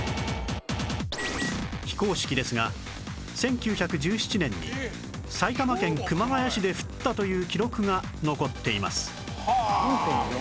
非公式ですが１９１７年に埼玉県熊谷市で降ったという記録が残っています